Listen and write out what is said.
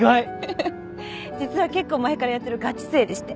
フフっ実は結構前からやってるガチ勢でして。